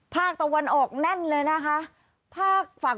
ภาคตะวันออกแน่นเลยนะคะ